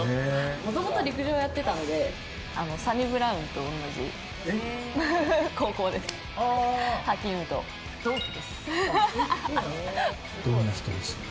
もともと陸上をやってたので、サニブラウンと同じ高どんな人でした？